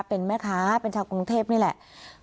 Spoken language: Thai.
เป็นแม่ค้าเป็นชาวกรุงเทพนี่แหละ